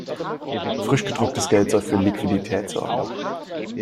Frisch gedrucktes Geld soll für Liquidität sorgen.